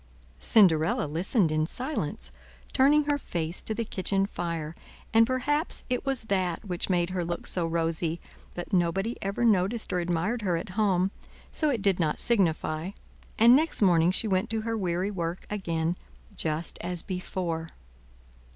Cinderella listened in silence, turning her face to the kitchen fire, and perhaps it was that which made her look so rosy, but nobody ever noticed or admired her at home, so it did not signify, and next morning she went to her weary work again just as before.